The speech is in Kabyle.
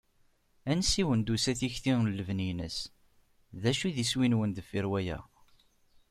Ansi i awen-d-tusa tikti n lebni-ines? D acu i d iswi-nwen deffir waya?